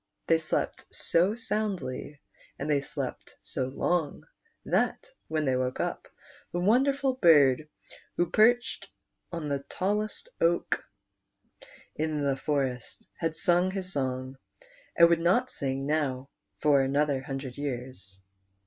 They slept so soundly, and they slept so long, that, when they woke up, the wonderful bird, who perched on the tallest oak in the FKIXCE DO RAN. T53 forest, had sung his song, and would not sing now for anotlier hundred years.